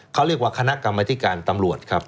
เขาเรียกว่าคณะกรรมธิการตำรวจครับ